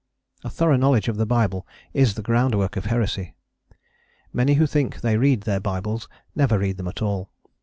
A thorough knowledge of the Bible is the groundwork of heresy. Many who think they read their Bibles never read them at all.